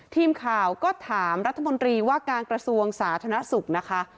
ทีมข่าวก็ถามรัฐมนตรีว่าการกระทรวงสาธารณสุขนะคะ